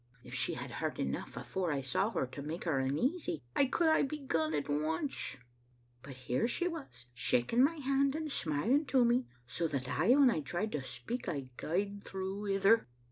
If she had heard enough, afore I saw her, to make her uneasy, I could hae begun at once; but here she was, shaking my hand and smiling to me, so that aye when I tried to speak I gaed through ither.